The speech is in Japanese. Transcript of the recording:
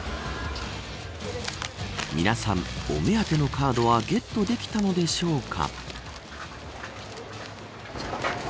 皆さん、お目当てのカードはゲットできたのでしょうか。